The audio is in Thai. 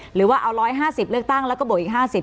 หรือว่าเอา๑๕๐เลือกตั้งแล้วก็บวกอีก๕๐